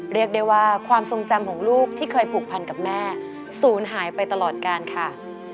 เรียกได้ว่าความทรงจำของลูกที่เคยผูกพันกับแม่ศูนย์หายไปตลอดการค่ะ